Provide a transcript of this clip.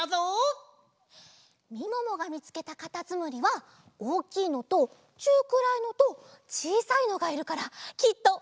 みももがみつけたかたつむりはおおきいのとちゅうくらいのとちいさいのがいるからきっとおやこだね！